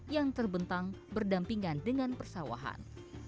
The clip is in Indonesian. yang terbentang berdampingan dengan persawahan